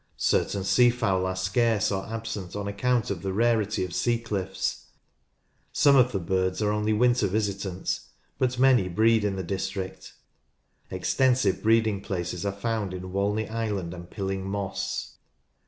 Certain sea fowl are scarce or absent on account of the rarity of sea cliffs. Some of the birds are only winter visitants, but many breed in the district. Extensive breeding places are found in Walney Island and Pilling Moss.